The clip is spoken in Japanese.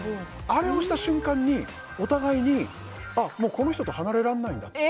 あれをした瞬間にお互いにあ、この人と離れられないんだって。